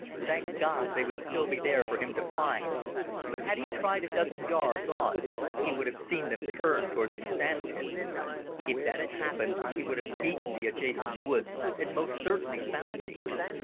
Thank God, they would be still there for him to find, but had he tried half a dozen yards on he would have seen them turn towards the sandpit. If that had happened he would have beaten the adjacent woods and most certainly found me.